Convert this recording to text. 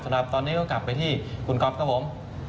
สำหรับตอนนี้ก็กลับไปที่คุณก๊อฟครับผม